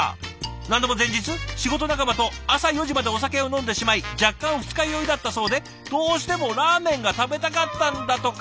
何でも前日仕事仲間と朝４時までお酒を飲んでしまい若干二日酔いだったそうでどうしてもラーメンが食べたかったんだとか。